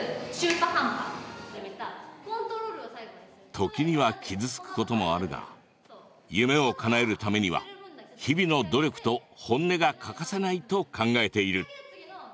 時には傷つくこともあるが夢をかなえるためには日々の努力と本音が欠かせないと考えている。